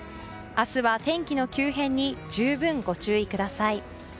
明日は天気の急変に十分ご注意ください。